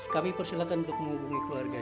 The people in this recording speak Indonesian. kami persilakan untuk menghubungi keluarganya